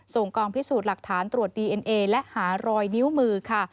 กองพิสูจน์หลักฐานตรวจดีเอ็นเอและหารอยนิ้วมือค่ะ